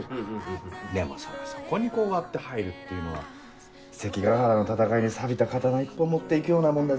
でもさそこにこう割って入るっていうのは関ヶ原の戦いにさびた刀一本持って行くようなもんだぜ。